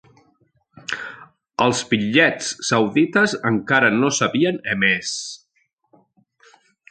Els bitllets saudites encara no s'havien emès.